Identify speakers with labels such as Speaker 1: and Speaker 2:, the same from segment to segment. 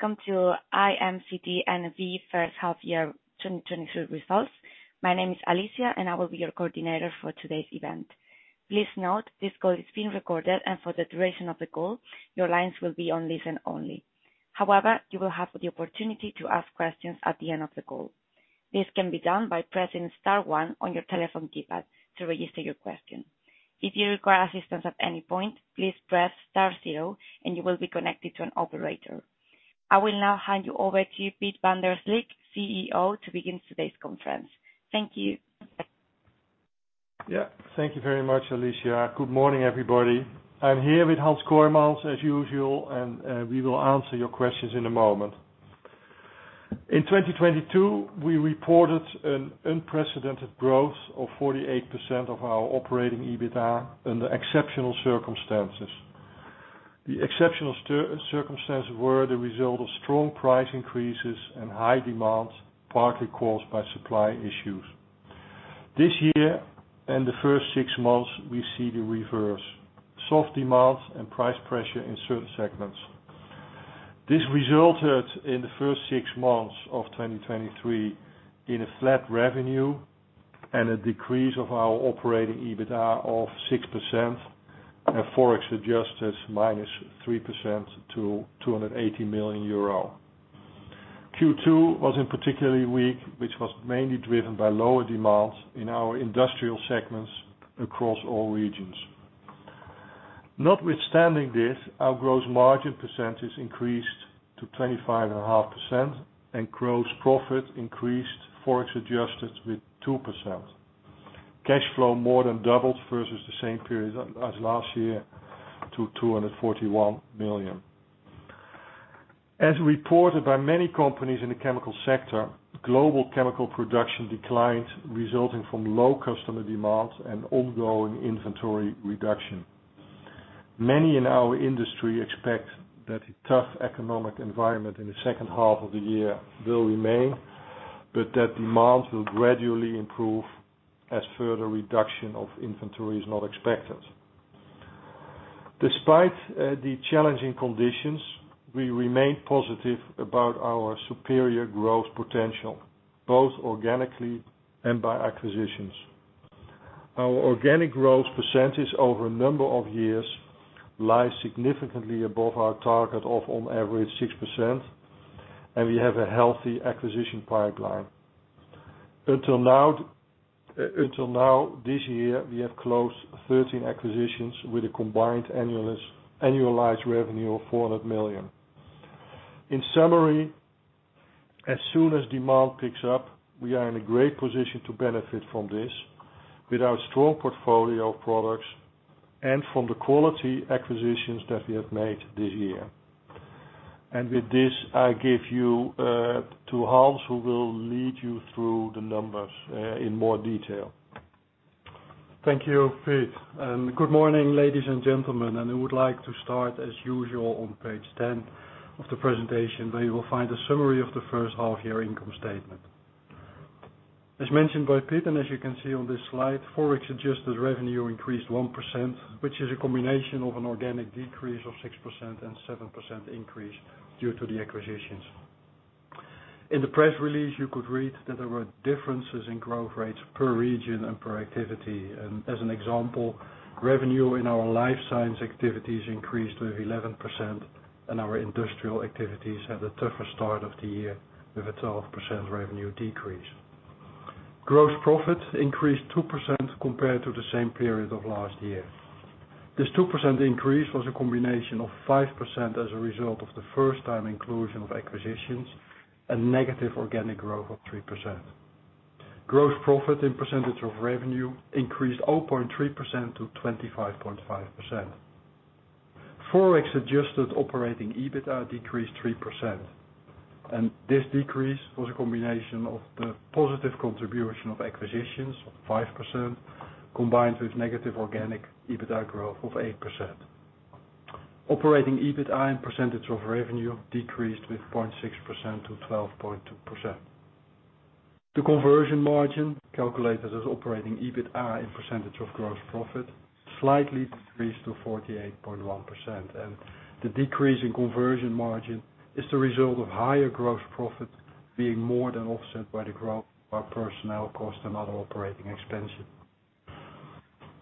Speaker 1: Hello, and welcome to IMCD and the First Half Year 2022 Results. My name is Alicia, and I will be your coordinator for today's event. Please note, this call is being recorded, and for the duration of the call, your lines will be on listen only. However, you will have the opportunity to ask questions at the end of the call. This can be done by pressing star one on your telephone keypad to register your question. If you require assistance at any point, please press star 0 and you will be connected to an operator. I will now hand you over to Piet van der Slikke, CEO, to begin today's conference. Thank you.
Speaker 2: Yeah. Thank you very much, Alicia. Good morning, everybody. I'm here with Hans Kooijmans, as usual, and we will answer your questions in a moment. In 2022, we reported an unprecedented growth of 48% of our operating EBITDA under exceptional circumstances. The exceptional circumstance were the result of strong price increases and high demand, partly caused by supply issues. This year, in the first six months, we see the reverse: soft demand and price pressure in certain segments. This resulted in the first six months of 2023 in a flat revenue and a decrease of our operating EBITDA of 6% and forex adjusted -3% to 280 million euro. Q2 was in particularly weak, which was mainly driven by lower demands in our industrial segments across all regions. Notwithstanding this, our gross margin percentage increased to 25.5%, and gross profit increased, forex adjusted, with 2%. Cash flow more than doubled versus the same period as last year to 241 million. Reported by many companies in the chemical sector, global chemical production declined, resulting from low customer demand and ongoing inventory reduction. Many in our industry expect that a tough economic environment in the second half of the year will remain, but that demand will gradually improve as further reduction of inventory is not expected. Despite the challenging conditions, we remain positive about our superior growth potential, both organically and by acquisitions. Our organic growth percentage over a number of years lies significantly above our target of, on average, 6%, and we have a healthy acquisition pipeline. Until now, until now, this year, we have closed 13 acquisitions with a combined annualized revenue of 400 million. In summary, as soon as demand picks up, we are in a great position to benefit from this with our strong portfolio of products and from the quality acquisitions that we have made this year. With this, I give you to Hans, who will lead you through the numbers in more detail.
Speaker 3: Thank you, Piet, and good morning, ladies and gentlemen. I would like to start, as usual, on page 10 of the presentation, where you will find a summary of the first half year income statement. As mentioned by Piet, and as you can see on this slide, forex adjusted revenue increased 1%, which is a combination of an organic decrease of 6% and 7% increase due to the acquisitions. In the press release, you could read that there were differences in growth rates per region and per activity. As an example, revenue in our Life Science activities increased with 11%, and our Industrial activities had a tougher start of the year with a 12% revenue decrease. Gross profit increased 2% compared to the same period of last year. This 2% increase was a combination of 5% as a result of the first time inclusion of acquisitions and negative organic growth of 3%. Gross profit in percentage of revenue increased 0.3% to 25.5%. forex adjusted operating EBITDA decreased 3%, and this decrease was a combination of the positive contribution of acquisitions of 5%, combined with negative organic EBITDA growth of 8%. Operating EBITDA in percentage of revenue decreased with 0.6% to 12.2%. The conversion margin, calculated as operating EBITDA in percentage of gross profit, slightly decreased to 48.1%, and the decrease in conversion margin is the result of higher gross profit being more than offset by the growth of our personnel cost and other operating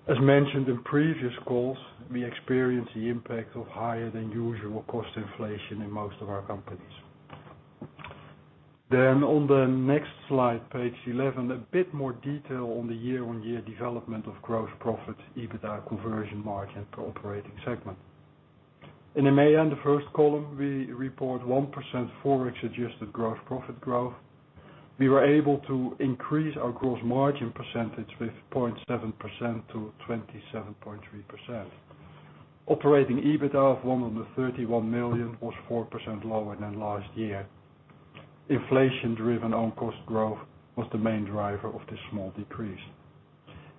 Speaker 3: expenses. As mentioned in previous calls, we experienced the impact of higher than usual cost inflation in most of our companies. On the next slide, page 11, a bit more detail on the year-on-year development of gross profit operating EBITDA conversion margin per operating segment. In EMEA, the first column, we report 1% forex adjusted gross profit growth. We were able to increase our gross margin percentage with 0.7% to 27.3%. Operating EBITDA of 131 million was 4% lower than last year. Inflation-driven own cost growth was the main driver of this small decrease.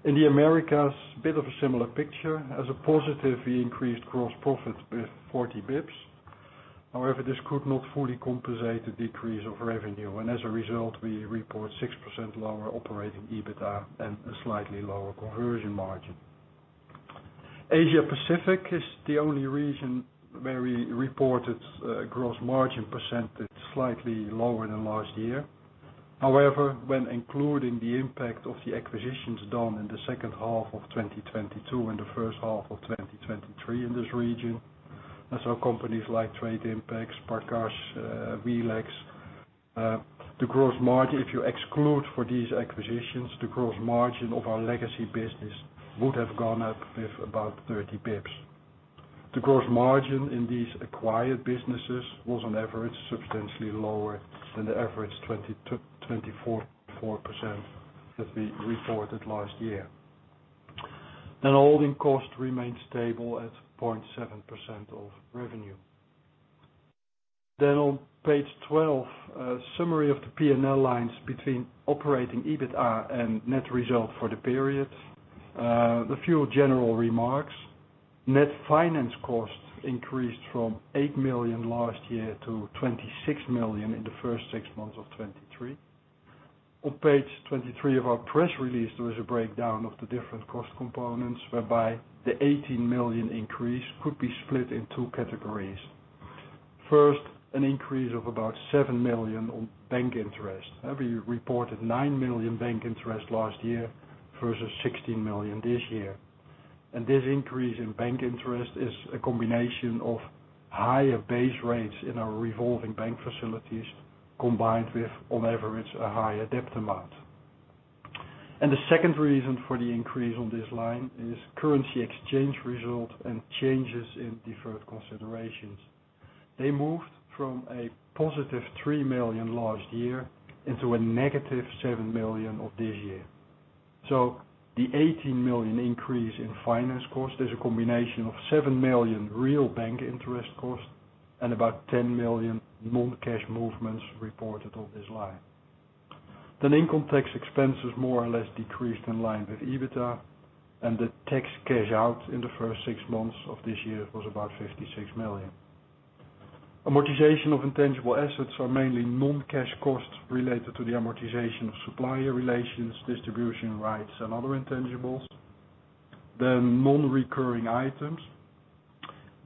Speaker 3: In the Americas, bit of a similar picture. As a positive, we increased gross profit with 40 basis points. However, this could not fully compensate the decrease of revenue, as a result, we report 6% lower operating EBITDA and a slightly lower conversion margin.... Asia Pacific is the only region where we reported gross margin percentage slightly lower than last year. However, when including the impact of the acquisitions done in the second half of 2022 and the first half of 2023 in this region, and so companies like Trade Impact, Parkash, Vles. The gross margin, if you exclude for these acquisitions, the gross margin of our legacy business would have gone up with about 30 basis points. The gross margin in these acquired businesses was on average, substantially lower than the average 20%-24.4% that we reported last year. Holding costs remained stable at 0.7% of revenue. On page 12, a summary of the P&L lines between operating EBITDA and net result for the period. A few general remarks. Net finance costs increased from 8 million last year to 26 million in the first six months of 2023. On page 23 of our press release, there was a breakdown of the different cost components, whereby the 18 million increase could be split in two categories. First, an increase of about 7 million on bank interest. We reported 9 million bank interest last year versus 16 million this year. This increase in bank interest is a combination of higher base rates in our revolving bank facilities, combined with, on average, a higher debt amount. The second reason for the increase on this line is currency exchange results and changes in deferred considerations. They moved from a positive 3 million last year into a negative 7 million of this year. The 18 million increase in finance cost is a combination of 7 million real bank interest costs and about 10 million non-cash movements reported on this line. Income tax expenses more or less decreased in line with EBITDA, and the tax cash out in the first six months of this year was about 56 million. Amortization of intangible assets are mainly non-cash costs related to the amortization of supplier relations, distribution rights, and other intangibles. Non-recurring items.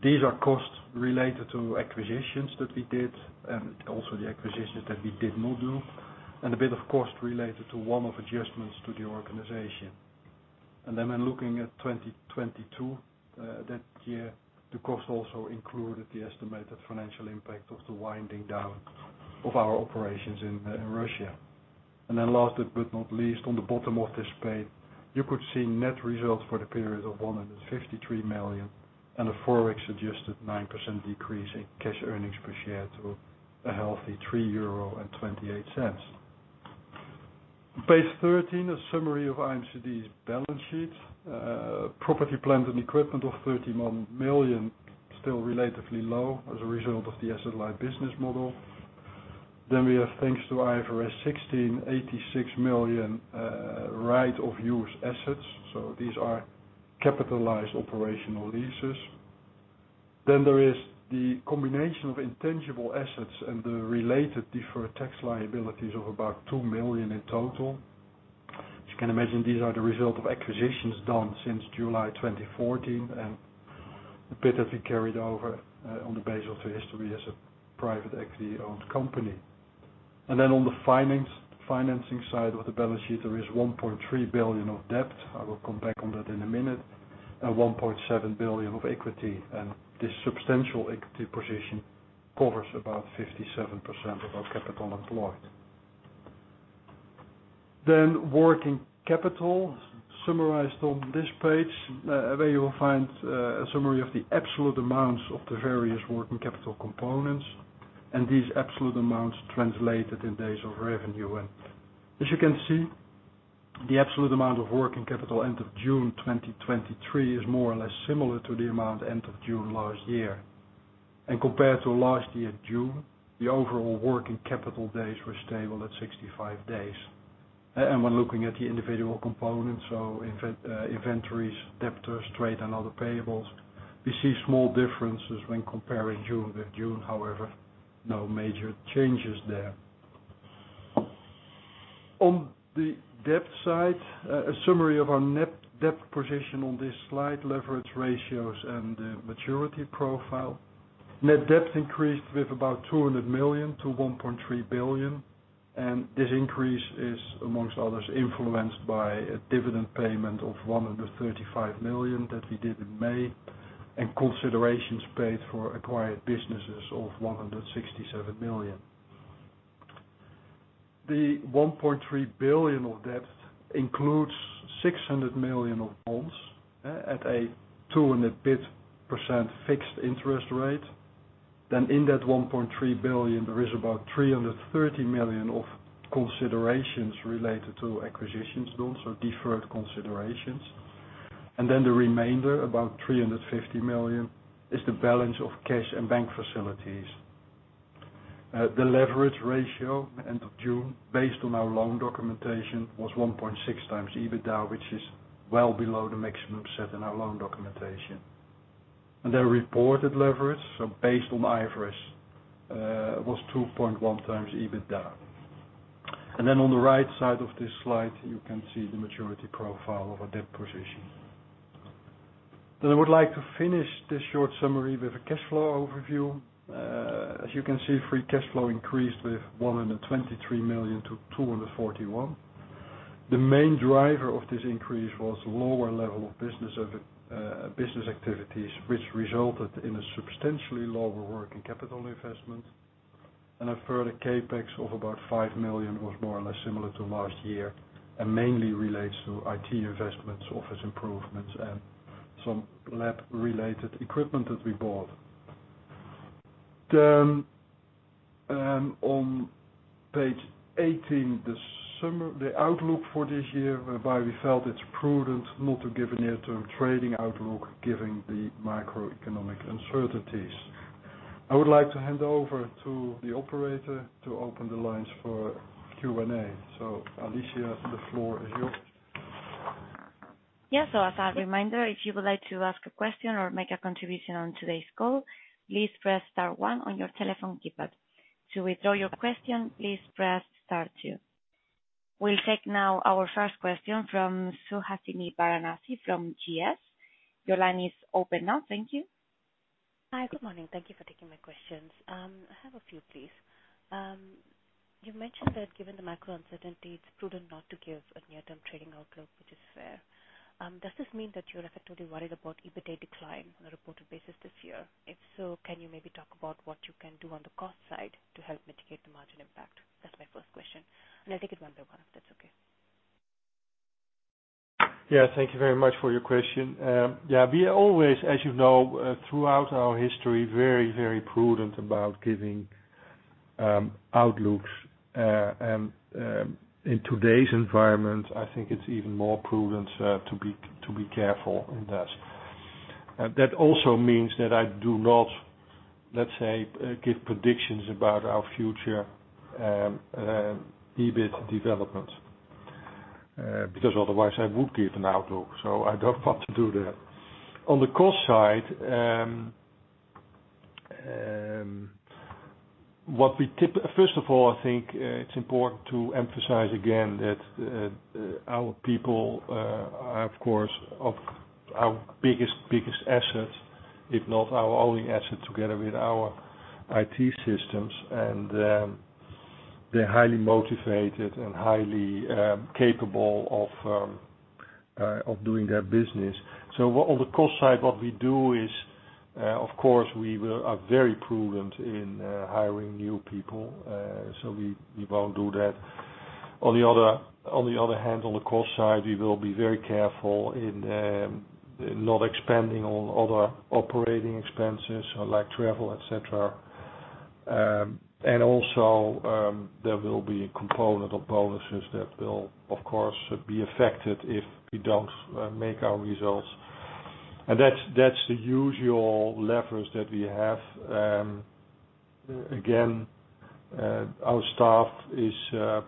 Speaker 3: These are costs related to acquisitions that we did and also the acquisitions that we did not do, and a bit of cost related to one-off adjustments to the organization. When looking at 2022, that year, the cost also included the estimated financial impact of the winding down of our operations in Russia. Last but not least, on the bottom of this page, you could see net results for the period of 153 million and a forex adjusted 9% decrease in cash earnings per share to a healthy 3.28 euro. On page 13, a summary of IMCD's balance sheet. Property, plant, and equipment of 31 million, still relatively low as a result of the asset-light business model. We have, thanks to IFRS 16, 86 million right-of-use assets, so these are capitalized operational leases. There is the combination of intangible assets and the related deferred tax liabilities of about 2 million in total. As you can imagine, these are the result of acquisitions done since July 2014, and a bit has been carried over on the basis of the history as a private equity-owned company. Then on the finance, financing side of the balance sheet, there is 1.3 billion of debt. I will come back on that in a minute, and 1.7 billion of equity, and this substantial equity position covers about 57% of our capital employed. Working capital, summarized on this page, where you will find a summary of the absolute amounts of the various working capital components and these absolute amounts translated in days of revenue. As you can see, the absolute amount of working capital end of June 2023, is more or less similar to the amount end of June last year. Compared to last year, June, the overall working capital days were stable at 65 days. When looking at the individual components, so inven, inventories, debtors, trade, and other payables, we see small differences when comparing June with June, however, no major changes there. On the debt side, a summary of our net debt position on this slide, leverage ratios and the maturity profile. Net debt increased with about 200 million to 1.3 billion, and this increase is, amongst others, influenced by a dividend payment of 135 million that we did in May, and considerations paid for acquired businesses of 167 million. The 1.3 billion of debt includes 600 million of bonds, at a 200 bit % fixed interest rate. In that 1.3 billion, there is about 330 million of considerations related to acquisitions done, so deferred considerations. The remainder, about 350 million, is the balance of cash and bank facilities. The leverage ratio end of June, based on our loan documentation, was 1.6 times EBITDA, which is well below the maximum set in our loan documentation.
Speaker 2: Their reported leverage, so based on IFRS, was 2.1x EBITDA. Then on the right side of this slide, you can see the maturity profile of our debt position. I would like to finish this short summary with a cash flow overview. As you can see, free cash flow increased with 123 million to 241 million. The main driver of this increase was lower level of business of business activities, which resulted in a substantially lower working capital investment. A further CapEx of about 5 million was more or less similar to last year and mainly relates to IT investments, office improvements, and some lab-related equipment that we bought. On page 18, the summary, the outlook for this year, whereby we felt it's prudent not to give a near-term trading outlook, giving the macroeconomic uncertainties. I would like to hand over to the operator to open the lines for Q&A. Alicia, the floor is yours.
Speaker 1: Yes. As a reminder, if you would like to ask a question or make a contribution on today's call, please press star one on your telephone keypad. To withdraw your question, please press star two. We'll take now our first question from Suhasini Varanasi from GS. Your line is open now. Thank you.
Speaker 4: Hi, good morning. Thank you for taking my questions. I have a few, please. You've mentioned that given the macro uncertainty, it's prudent not to give a near-term trading outlook, which is fair. Does this mean that you're effectively worried about EBITDA decline on a reported basis this year? If so, can you maybe talk about what you can do on the cost side to help mitigate the margin impact? That's my first question. I'll take it one by one, if that's okay.
Speaker 2: Yeah, thank you very much for your question. Yeah, we are always, as you know, throughout our history, very, very prudent about giving outlooks. In today's environment, I think it's even more prudent to be, to be careful in that. That also means that I do not, let's say, give predictions about our future EBIT development, because otherwise I would give an outlook, so I don't want to do that. On the cost side, what we First of all, I think it's important to emphasize again that our people are, of course, of our biggest, biggest assets, if not our only asset, together with our IT systems. They're highly motivated and highly capable of doing their business. On the cost side, what we do is, of course, we will, are very prudent in hiring new people, so we, we won't do that. On the other, on the other hand, on the cost side, we will be very careful in not expanding on other operating expenses like travel, et cetera. Also, there will be a component of bonuses that will, of course, be affected if we don't make our results. That's, that's the usual levers that we have. Again, our staff is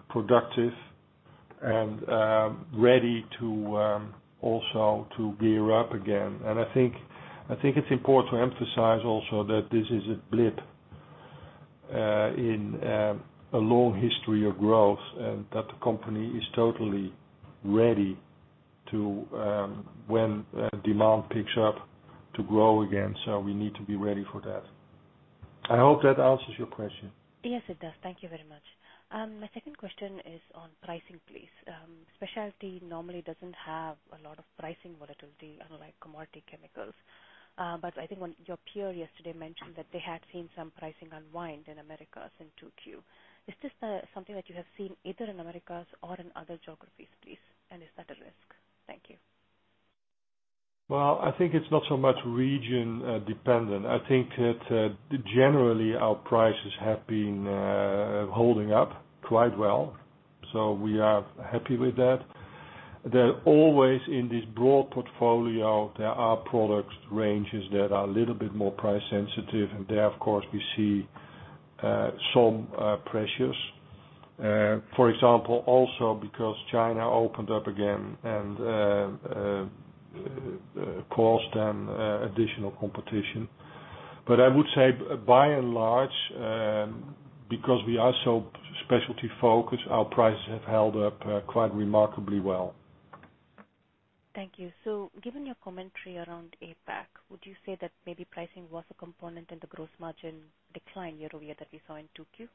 Speaker 2: productive and ready to also to gear up again. I think, I think it's important to emphasize also that this is a blip, in a long history of growth, and that the company is totally ready to, when demand picks up, to grow again. We need to be ready for that. I hope that answers your question.
Speaker 4: Yes, it does. Thank you very much. My second question is on pricing, please. specialty normally doesn't have a lot of pricing volatility unlike commodity chemicals. I think when your peer yesterday mentioned that they had seen some pricing unwind in Americas in 2Q. Is this something that you have seen either in Americas or in other geographies, please? Is that a risk? Thank you.
Speaker 2: Well, I think it's not so much region dependent. I think that, generally, our prices have been holding up quite well, so we are happy with that. There are always, in this broad portfolio, there are product ranges that are a little bit more price sensitive, and there, of course, we see some pressures. For example, also because China opened up again and caused additional competition. I would say by and large, because we are so specialty focused, our prices have held up quite remarkably well.
Speaker 4: Thank you. Given your commentary around APAC, would you say that maybe pricing was a component in the gross margin decline year-over-year that we saw in 2Q?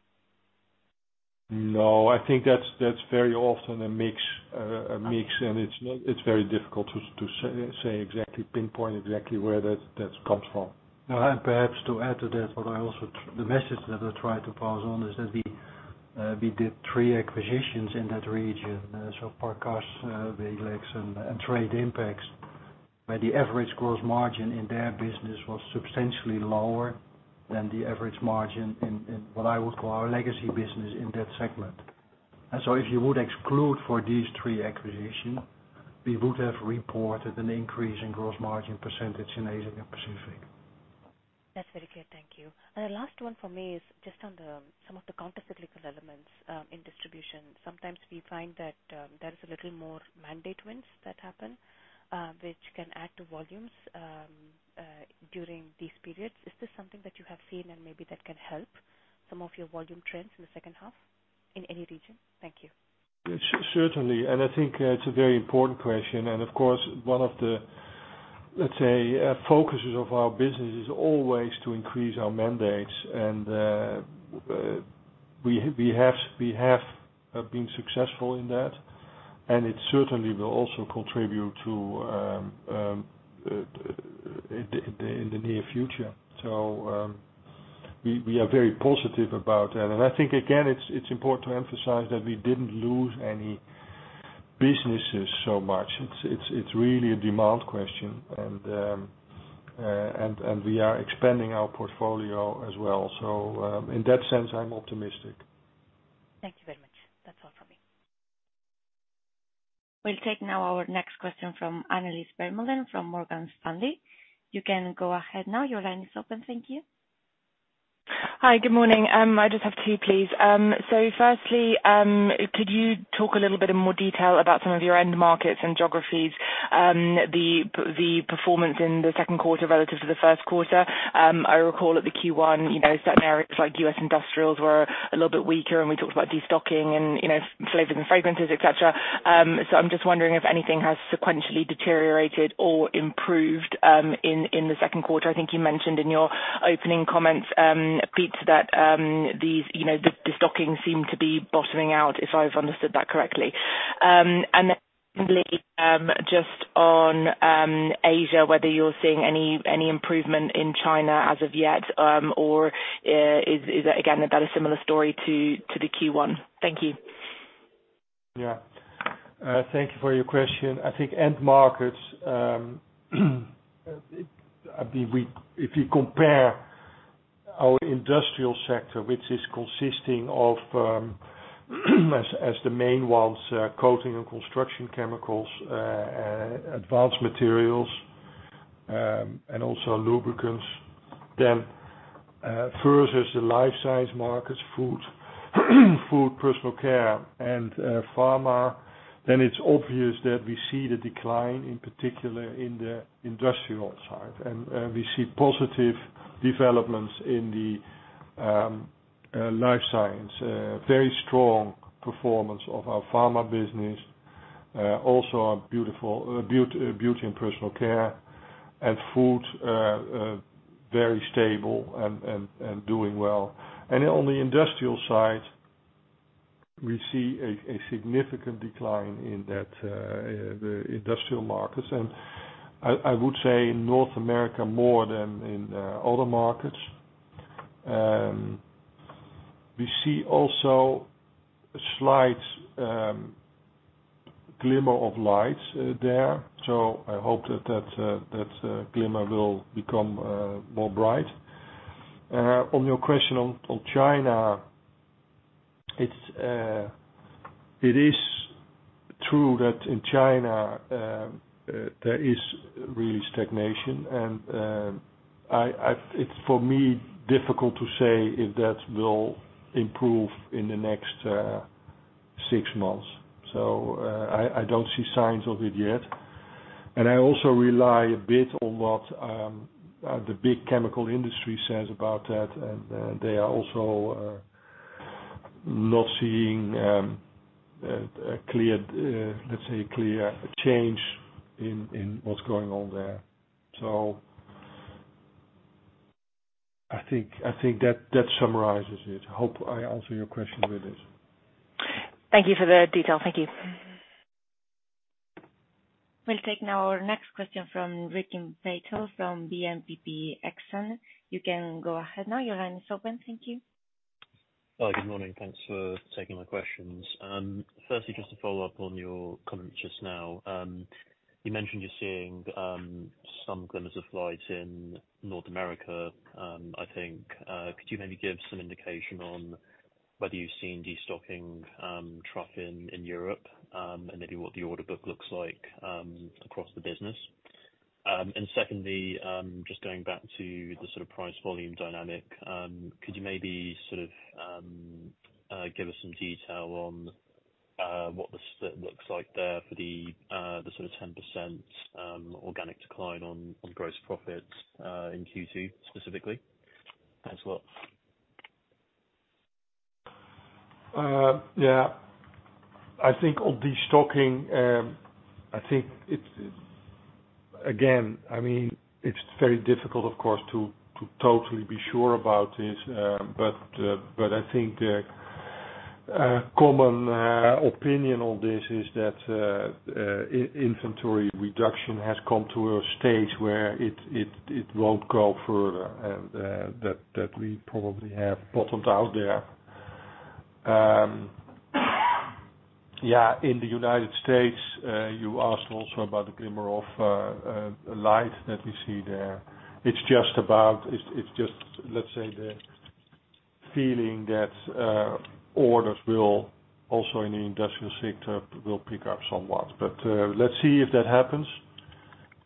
Speaker 2: No, I think that's, that's very often a mix, a mix, and it's, it's very difficult to, to say, say exactly, pinpoint exactly where that, that comes from.
Speaker 3: Perhaps to add to that, but I also. The message that I try to pass on is that we did three acquisitions in that region. So Parkash, the Lex and Trade Impact, where the average gross margin in their business was substantially lower than the average margin in what I would call our legacy business in that segment. If you would exclude for these three acquisitions, we would have reported an increase in gross margin percentage in Asia Pacific.
Speaker 4: That's very clear. Thank you. The last one for me is just on the, some of the countercyclical elements, in distribution. Sometimes we find that, there is a little more mandate wins that happen, which can add to volumes, during these periods. Is this something that you have seen and maybe that can help some of your volume trends in the second half, in any region? Thank you.
Speaker 2: Certainly, I think it's a very important question. Of course, one of the, let's say, focuses of our business is always to increase our mandates. We, we have, we have been successful in that, and it certainly will also contribute to in, in, in the near future. We, we are very positive about that. I think, again, it's, it's important to emphasize that we didn't lose any businesses so much. It's, it's, it's really a demand question, and, and we are expanding our portfolio as well. In that sense, I'm optimistic.
Speaker 4: Thank you very much. That's all for me.
Speaker 1: We'll take now our next question from Annelies Vermeulen, from Morgan Stanley. You can go ahead now. Your line is open. Thank you.
Speaker 5: Hi, good morning. I just have two, please. Firstly, could you talk a little bit in more detail about some of your end markets and geographies, the performance in the second quarter relative to the first quarter? I recall at the Q1, you know, certain areas, like US industrials, were a little bit weaker, and we talked about destocking and, you know, Flavors and Fragrances, et cetera. I'm just wondering if anything has sequentially deteriorated or improved in the second quarter. I think you mentioned in your opening comments, Pete, that these, you know, the, the stockings seem to be bottoming out, if I've understood that correctly. Just on Asia, whether you're seeing any improvement in China as of yet, is that again, about a similar story to the Q1? Thank you.
Speaker 2: Yeah. Thank you for your question. I think end markets, I mean if you compare our industrial sector, which is consisting of as the main ones, Coatings & Construction chemicals, Advanced Materials, and also lubricants, then, first is the Life Science markets, food, food, personal care, and pharma. It's obvious that we see the decline, in particular in the industrial side, and we see positive developments in the Life Science, very strong performance of our pharma business. Also our beautiful, beaut- beauty and personal care and food, very stable and doing well. On the industrial side, we see a significant decline in that, the industrial markets, and I, I would say in North America, more than in other markets. We see also a slight glimmer of light there, so I hope that that, that glimmer will become more bright. On your question on, on China, it's, it is true that in China, there is really stagnation, and I, I-- it's, for me, difficult to say if that will improve in the next six months. I, I don't see signs of it yet. I also rely a bit on what the big chemical industry says about that, and they are also not seeing a clear, let's say, a clear change in what's going on there. I think, I think that, that summarizes it. Hope I answer your question with this.
Speaker 5: Thank you for the detail. Thank you.
Speaker 1: We'll take now our next question from Rick Pace, from BNP Paribas Exane. You can go ahead now. Your line is open. Thank you.
Speaker 6: Hi, good morning. Thanks for taking my questions. Firstly, just to follow up on your comment just now. You mentioned you're seeing some glimmers of light in North America. I think, could you maybe give some indication on whether you've seen destocking trough in Europe, and maybe what the order book looks like across the business? And secondly, just going back to the sort of price volume dynamic, could you maybe sort of give us some detail on what the looks like there for the sort of 10% organic decline on gross profits in Q2 specifically? Thanks a lot.
Speaker 2: Yeah. I think on destocking, I think it's, again, I mean, it's very difficult, of course to totally be sure about this, but I think a common opinion on this is that inventory reduction has come to a stage where it won't go further, and that we probably have bottomed out there. Yeah, in the United States, you asked also about the glimmer of light that we see there. It's just about, it's just, let's say, the feeling that, orders will also in the industrial sector, will pick up somewhat. Let's see if that happens,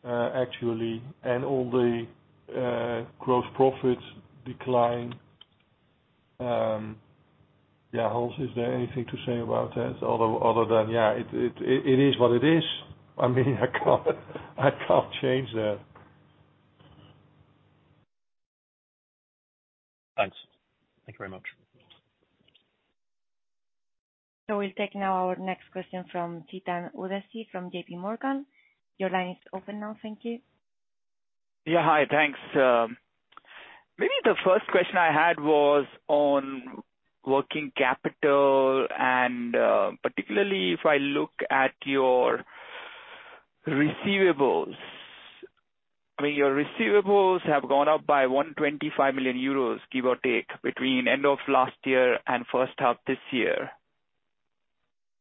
Speaker 2: actually, and all the, gross profits decline. Yeah, Hans, is there anything to say about that? Although, other than, yeah it is what it is. I mean I can't change that.
Speaker 6: Thanks. Thank you very much.
Speaker 1: We'll take now our next question from Chetan Udeshi from JPMorgan. Your line is open now. Thank you.
Speaker 7: Yeah, hi. Thanks. Maybe the first question I had was on working capital, particularly if I look at your receivables. I mean, your receivables have gone up by 125 million euros, give or take, between end of last year and first half this year.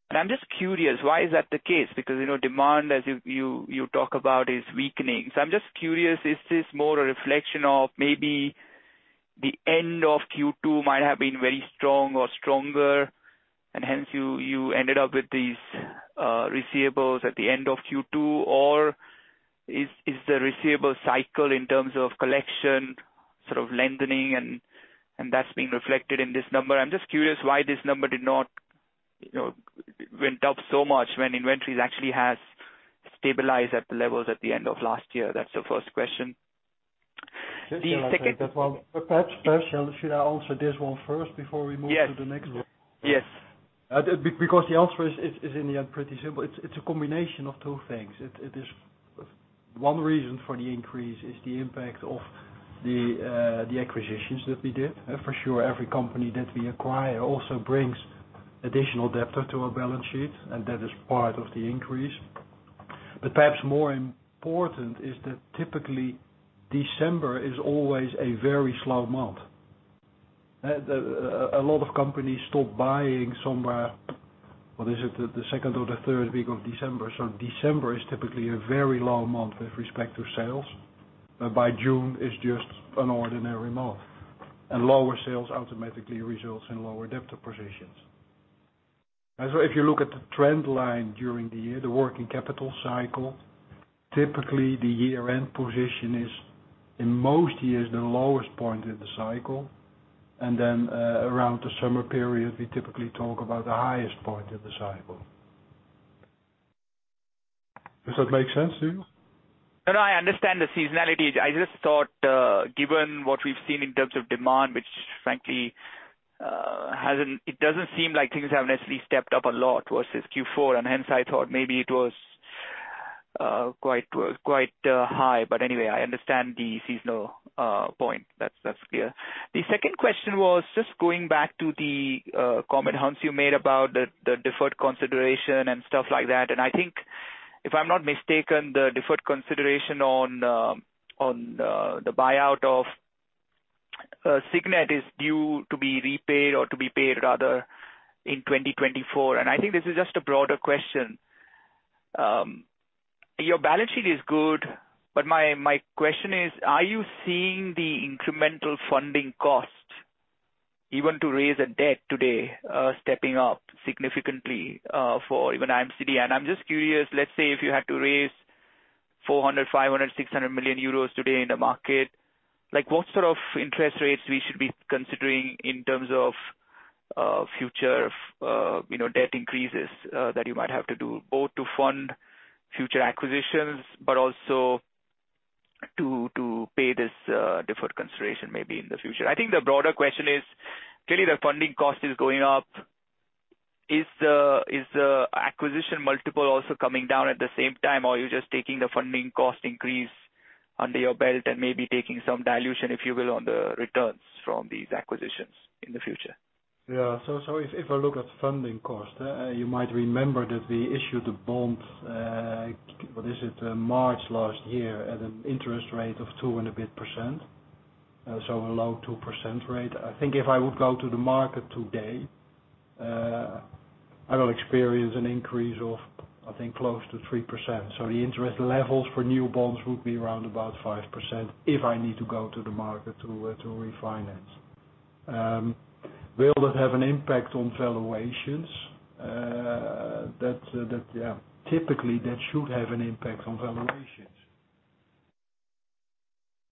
Speaker 7: I'm just curious, why is that the case? Because, you know, demand, as you talk about, is weakening. I'm just curious, is this more a reflection of maybe the end of Q2 might have been very strong or stronger, and hence, you ended up with these receivables at the end of Q2? Is the receivable cycle in terms of collection, sort of lengthening and that's being reflected in this number? I'm just curious why this number did not, you know, went up so much when inventories actually has stabilized at the levels at the end of last year. That's the first question. The second well, perhaps, first, should I answer this one first before we move to the next one? Yes.
Speaker 3: Because the answer is in the end, pretty simple. It's a combination of two things. One reason for the increase is the impact of the acquisitions that we did. For sure, every company that we acquire also brings additional debt to our balance sheet, and that is part of the increase. Perhaps more important is that typically, December is always a very slow month. A lot of companies stop buying somewhere, what is it? The second or the third week of December. December is typically a very low month with respect to sales. By June, it's just an ordinary month, and lower sales automatically results in lower debt positions. If you look at the trend line during the year, the working capital cycle, typically the year-end position is, in most years, the lowest point in the cycle. Around the summer period, we typically talk about the highest point in the cycle. Does that make sense to you?
Speaker 7: No, I understand the seasonality. I just thought given what we've seen in terms of demand, which frankly, it doesn't seem like things have necessarily stepped up a lot versus Q4, hence, I thought maybe it was quite quite high. Anyway, I understand the seasonal point. That's clear. The second question was just going back to the comment, Hans, you made about the deferred consideration and stuff like that. I think, if I'm not mistaken, the deferred consideration on on the buyout of Signet is due to be repaid or to be paid rather, in 2024. I think this is just a broader question. My, my question is, are you seeing the incremental funding costs, even to raise a debt today, stepping up significantly for even IMCD? I'm just curious, let's say, if you had to raise 400 million, 500 million, 600 million euros today in the market, what sort of interest rates we should be considering in terms of future, you know, debt increases that you might have to do, both to fund future acquisitions, but also to pay this deferred consideration maybe in the future? The broader question is, clearly, the funding cost is going up. Is the, is the acquisition multiple also coming down at the same time, or are you just taking the funding cost increase under your belt and maybe taking some dilution, if you will, on the returns from these acquisitions in the future?
Speaker 3: Yeah. So if I look at funding cost, you might remember that we issued a bond, what is it? March last year, at an interest rate of two and a bit %, so a low 2% rate. I think if I would go to the market today, I will experience an increase of, I think, close to 3%. The interest levels for new bonds would be around about 5% if I need to go to the market to refinance. Will that have an impact on valuations? That, yeah, typically, that should have an impact on valuations.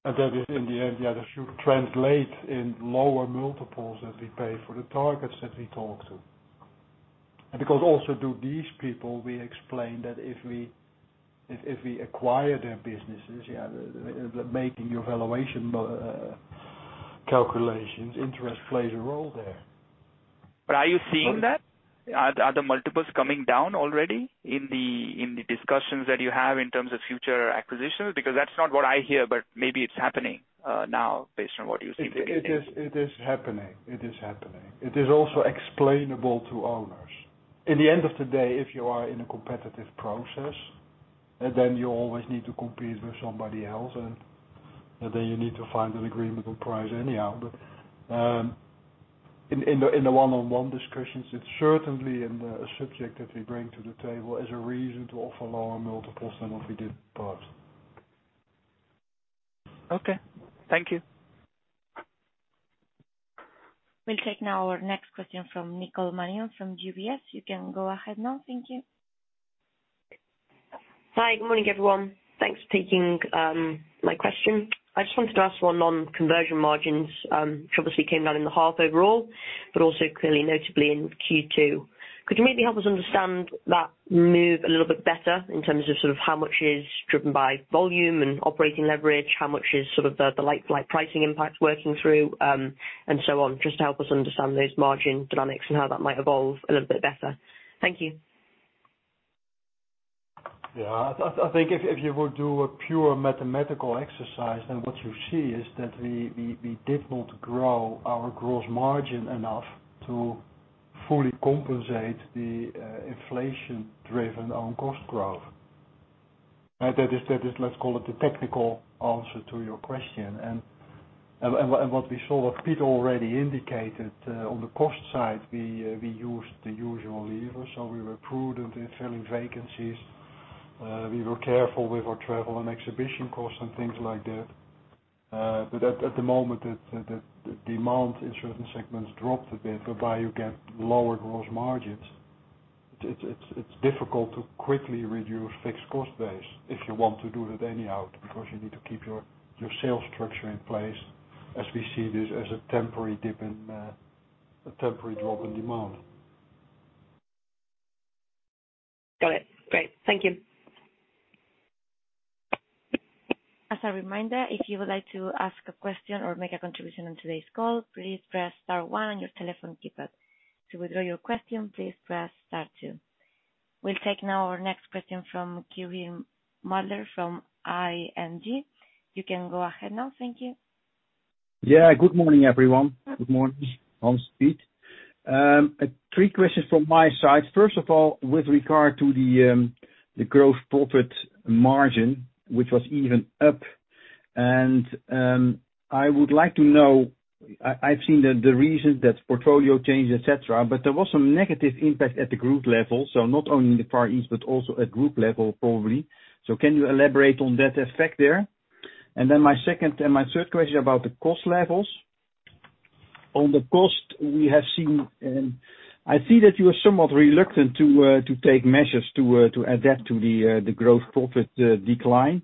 Speaker 3: That is in the end, yeah, that should translate in lower multiples that we pay for the targets that we talk to also, to these people, we explain that if we, if, if we acquire their businesses, yeah, the, the making your valuation calculations, interest plays a role there.
Speaker 7: Are you seeing that? Are the multiples coming down already in the discussions that you have in terms of future acquisitions? That's not what I hear, but maybe it's happening now, based on what you seem to be saying.
Speaker 3: It is happening. It is happening. It is also explainable to owners. In the end of the day, if you are in a competitive process, then you always need to compete with somebody else, and then you need to find an agreement on price anyhow. In, in the, in the one-on-one discussions, it's certainly in the subject that we bring to the table as a reason to offer lower multiples than what we did in the past.
Speaker 7: Okay, thank you.
Speaker 1: We'll take now our next question from Nicole Manion from UBS. You can go ahead now. Thank you.
Speaker 8: Hi, good morning, everyone. Thanks for taking my question. I just wanted to ask one on conversion margins, which obviously came down in the half overall, but also clearly notably in Q2. Could you maybe help us understand that move a little bit better in terms of sort of how much is driven by volume and operating leverage? How much is sort of the, the light, like, pricing impact working through, and so on? Just to help us understand those margin dynamics and how that might evolve a little bit better. Thank you.
Speaker 2: Yeah. I think if you would do a pure mathematical exercise, then what you see is that we did not grow our gross margin enough to fully compensate the inflation-driven on cost growth. That is, let's call it the technical answer to your question. What we saw, what Pete already indicated on the cost side, we used the usual lever, so we were prudent in filling vacancies. We were careful with our travel and exhibition costs and things like that. But at the moment, the demand in certain segments dropped a bit, whereby you get lower gross margins. It's difficult to quickly reduce fixed cost base if you want to do it anyhow, because you need to keep your, your sales structure in place, as we see this as a temporary dip in a temporary drop in demand.
Speaker 8: Got it. Great. Thank you.
Speaker 1: As a reminder, if you would like to ask a question or make a contribution on today's call, please press star one on your telephone keypad. To withdraw your question, please press star two. We'll take now our next question from Quirijn Mulder from ING. You can go ahead now. Thank you.
Speaker 9: Yeah, good morning, everyone. Good morning, Hans, Pete. Three questions from my side. First of all, with regard to the growth profit margin, which was even up, and I would like to know I've seen the reasons that portfolio change, et cetera, but there was some negative impact at the group level, so not only in the Far East, but also at group level, probably. Can you elaborate on that effect there? My second and my third question about the cost levels. On the cost, we have seen, I see that you are somewhat reluctant to take measures to adapt to the growth profit decline.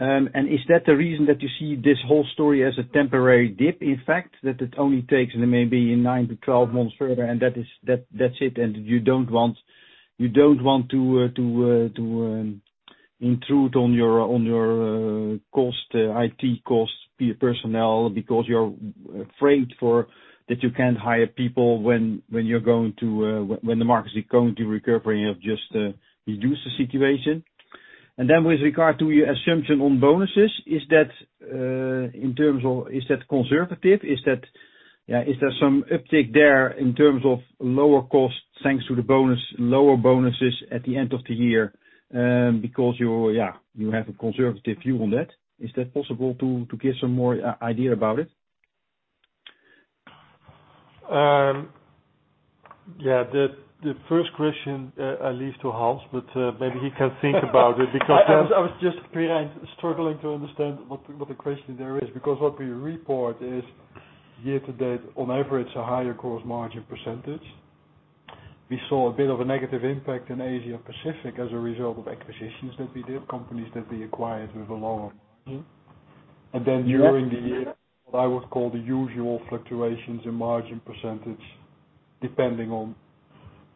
Speaker 9: Is that the reason that you see this whole story as a temporary dip, in fact, that it only takes maybe nine to 12 months further, and that is, that, that's it, and you don't want, you don't want to intrude on your, on your cost, IT costs, per-personnel, because you're afraid for, that you can't hire people when, when you're going to, when, when the market is going to recover and you have just reduce the situation? Then with regard to your assumption on bonuses, is that conservative? Is that, is there some uptick there in terms of lower costs, thanks to the bonus, lower bonuses at the end of the year, because you, yeah, you have a conservative view on that? Is that possible to give some more idea about it?
Speaker 2: Yeah, the, the first question, I leave to Hans, but, maybe he can think about it because
Speaker 3: I was just, Quirijin, struggling to understand what the, what the question there is, because what we report is year to date, on average, a higher gross margin %. We saw a bit of a negative impact in Asia Pacific as a result of acquisitions that we did, companies that we acquired with a lower margin. Then during the year, what I would call the usual fluctuations in margin %, depending on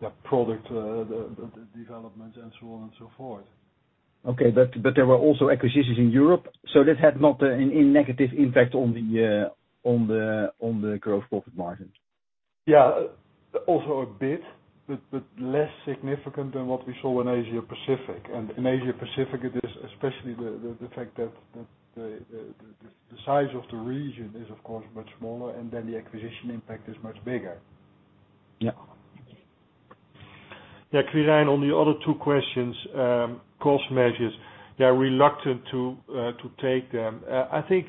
Speaker 3: the product developments and so on and so forth.
Speaker 9: There were also acquisitions in Europe, that had not a negative impact on the, on the, on the growth profit margin?
Speaker 3: Yeah, also a bit, but, but less significant than what we saw in Asia Pacific. In Asia Pacific, it is especially the fact that the size of the region is, of course, much smaller, and then the acquisition impact is much bigger.
Speaker 9: Yeah.
Speaker 2: Yeah, Quirijin, on the other two questions, cost measures, they are reluctant to take them. I think,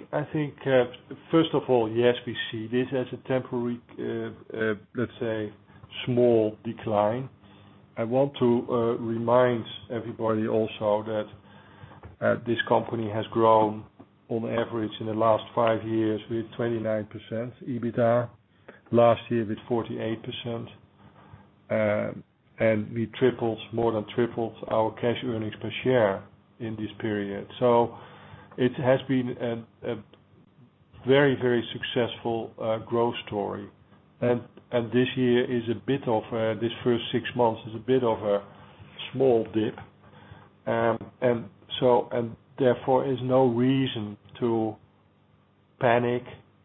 Speaker 2: first of all, yes, we see this as a temporary, let's say, small decline. I want to remind everybody also that this company has grown on average in the last five years with 29% EBITDA, last year with 48%, and we triples, more than triples our cash earnings per share in this period. It has been a very, very successful growth story. This year is a bit of a, this first six months is a bit of a small dip. Therefore, is no reason to panic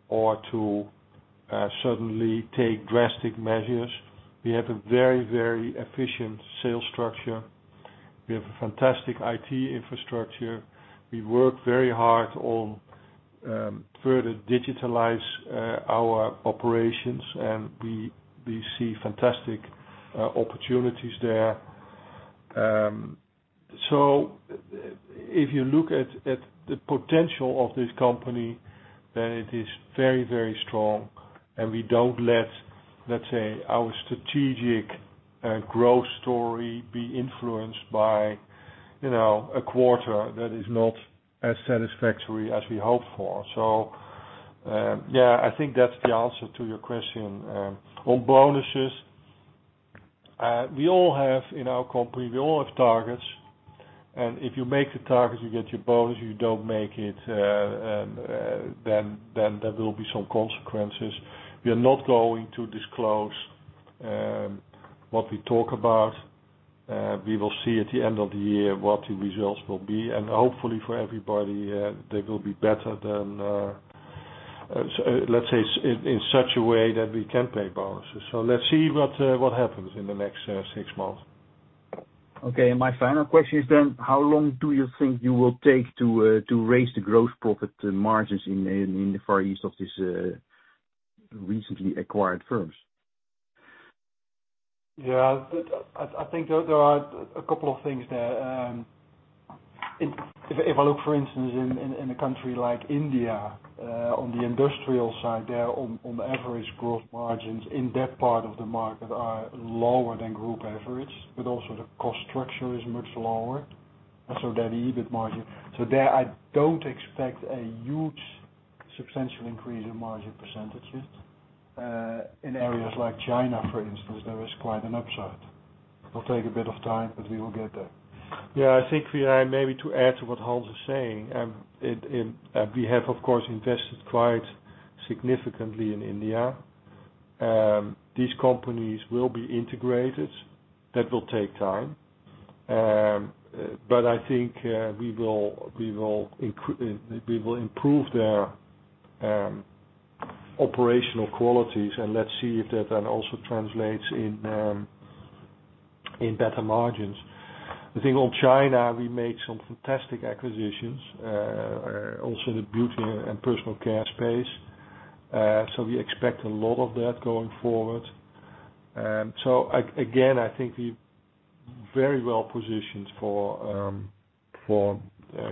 Speaker 2: or to suddenly take drastic measures. We have a very, very efficient sales structure. We have a fantastic IT infrastructure. We work very hard on further digitalize our operations, and we see fantastic opportunities there. If you look at the potential of this company, then it is very, very strong, and we don't let's say, our strategic growth story be influenced by, you know, a quarter that is not as satisfactory as we hoped for. Yeah, I think that's the answer to your question. On bonuses, we all have in our company, we all have targets, and if you make the targets, you get your bonus, you don't make it, then there will be some consequences. We are not going to disclose what we talk about. We will see at the end of the year what the results will be, and hopefully, for everybody, they will be better than, let's say, in such a way that we can pay bonuses. Let's see what, what happens in the next six months.
Speaker 9: Okay. My final question is, how long do you think you will take to raise the growth profit margins in the Far East of this recently acquired firms?
Speaker 2: Yeah I think there, there are a couple of things there. IfI look, for instance in a country like India, on the industrial side, there on, on the average growth margins in that part of the market are lower than group average, but also the cost structure is much lower, and so the EBIT margin. There, I don't expect a huge substantial increase in margin percentages. In areas like China, for instance, there is quite an upside. It'll take a bit of time, but we will get there. I think, yeah, maybe to add to what Hans is saying it, we have, of course, invested quite significantly in India. These companies will be integrated. That will take time. I think we will, we will improve their operational qualities, and let's see if that then also translates in better margins. I think on China, we made some fantastic acquisitions, also the beauty and personal care space. We expect a lot of that going forward. Again, I think we're very well positioned for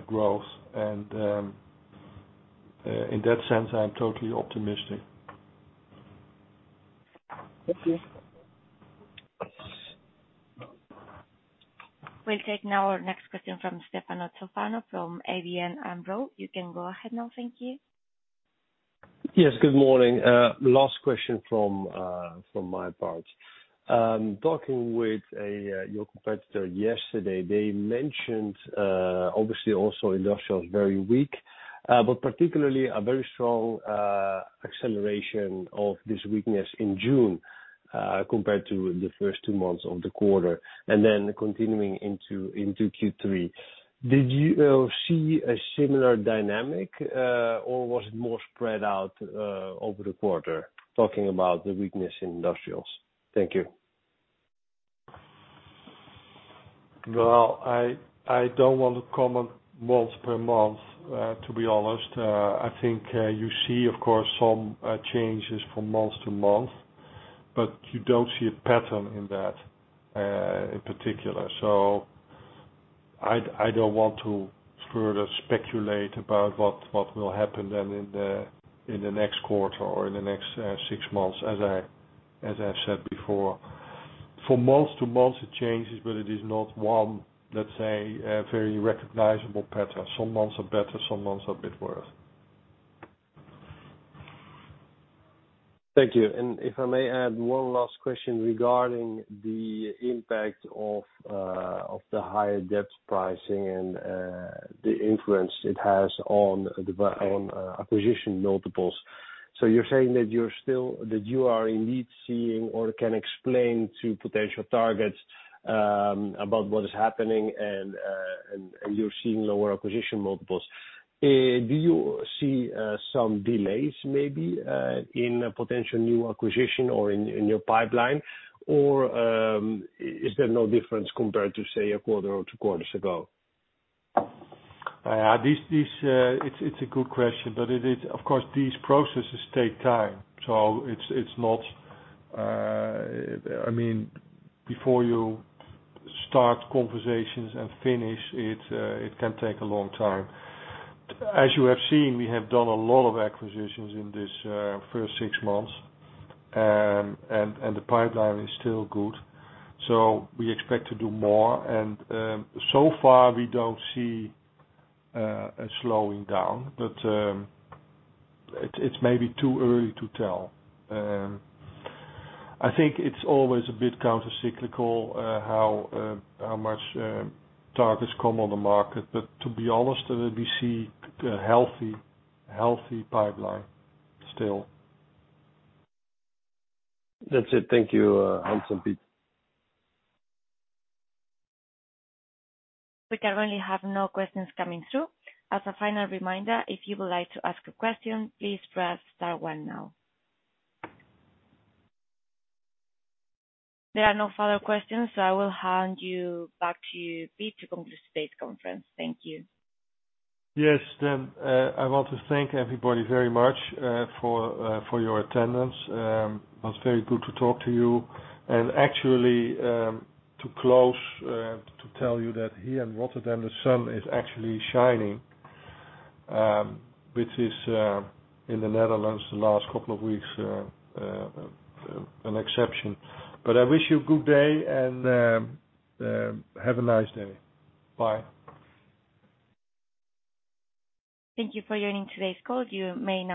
Speaker 2: growth, and in that sense, I'm totally optimistic.
Speaker 9: Thank you.
Speaker 1: We'll take now our next question from Stefano Toffano, from ABN AMRO. You can go ahead now. Thank you.
Speaker 10: Yes, good morning. Last question from my part. Talking with a your competitor yesterday, they mentioned obviously, also industrial is very weak, but particularly a very strong acceleration of this weakness in June, compared to the first two months of the quarter, and then continuing into, into Q3. Did you see a similar dynamic, or was it more spread out over the quarter, talking about the weakness in industrials? Thank you.
Speaker 2: Well, I, I don't want to comment month-to-month to be honest. I think you see, of course, some changes from month-to-month, but you don't see a pattern in that in particular. I'd, I don't want to further speculate about what, what will happen then in the, in the next quarter or in the next six months, as I, as I said before. For month-to-month, it changes, but it is not one, let's say, a very recognizable pattern. Some months are better, some months are a bit worse.
Speaker 10: Thank you. If I may add one last question regarding the impact of, of the higher debt pricing and, the influence it has on the on, acquisition multiples. You're saying that you're still, that you are indeed seeing or can explain to potential targets, about what is happening and, and, and you're seeing lower acquisition multiples. Do you see, some delays maybe, in a potential new acquisition or in, in your pipeline? Is there no difference compared to, say, a quarter or two quarters ago?
Speaker 2: This, this, it's, it's a good question, but it is. Of course, these processes take time, so it's, it's not. I mean, before you start conversations and finish it can take a long time. As you have seen, we have done a lot of acquisitions in this first 6 months, and the pipeline is still good. So we expect to do more, and so far, we don't see a slowing down but it's maybe too early to tell. I think it's always a bit countercyclical, how, how much targets come on the market, but to be honest, we see a healthy, healthy pipeline still.
Speaker 10: That's it. Thank you, Hans and Pete.
Speaker 1: We currently have no questions coming through. As a final reminder, if you would like to ask a question, please press star one now. There are no further questions. I will hand you back to Pete to conclude today's conference. Thank you.
Speaker 2: Yes, I want to thank everybody very much for your attendance. It was very good to talk to you. Actually, to close, to tell you that here in Rotterdam, the sun is actually shining, which is in the Netherlands, the last couple of weeks, an exception. I wish you a good day, and have a nice day. Bye.
Speaker 1: Thank you for joining today's call. You may now disconnect.